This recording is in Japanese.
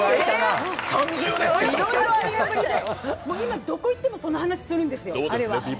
今どこ行ってもその話するんですよ、あれは。